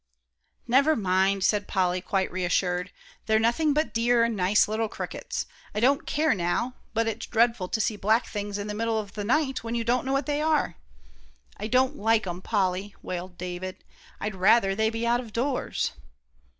"Never mind," said Polly, quite reassured, "they're nothing but dear, nice little crickets. I don't care, now; but it's dreadful to see black things in the middle of the night, when you don't know what they are." "I don't like 'em, Polly," wailed David. "I'd rather they'd be out of doors."